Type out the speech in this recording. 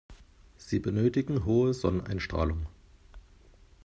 Sie benötigen hohe Sonneneinstrahlung.